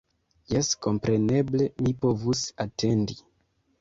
Jes, kompreneble mi povus atendi.